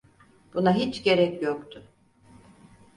Buna hiç gerek yoktu.